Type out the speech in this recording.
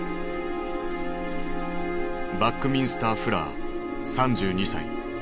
バックミンスター・フラー３２歳。